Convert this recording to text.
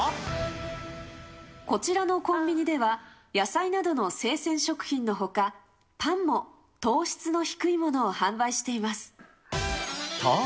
こちらのコンビニでは、野菜などの生鮮食品のほか、パンも糖質の低いものを販売しています。